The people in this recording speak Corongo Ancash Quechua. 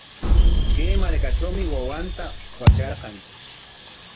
Kay markatrawmi wawanta watrarqan.